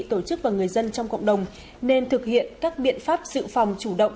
tổ chức và người dân trong cộng đồng nên thực hiện các biện pháp dự phòng chủ động